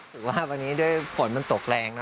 ถือว่าวันนี้ด้วยฝนมันตกแรงนะ